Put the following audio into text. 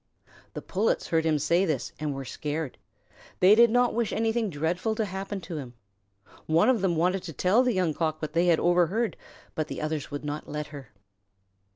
The Pullets heard him say this and were scared. They did not wish anything dreadful to happen to him. One of them wanted to tell the Young Cock what they had overheard, but the others would not let her.